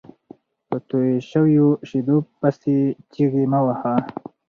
په توى سوو شېدو پيسي چیغي مه وهه!